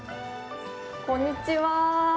こんにちは。